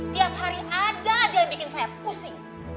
tiap hari ada aja yang bikin saya pusing